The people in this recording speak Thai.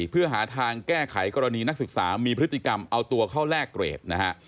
เพื่อหาทางแก้ไขกรณีนักศึกษามีพฤติกรรมเอาตัวเข้าแลกเกรดนะฮะ